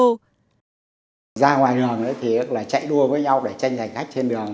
ra ngoài đường thì chạy đua với nhau để tranh giành khách trên đường